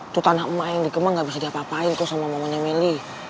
tuh tanah emak yang di kemang gak bisa diapa apain kok sama mamanya meli